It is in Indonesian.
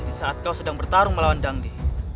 di saat kau sedang bertarung melawan dangdi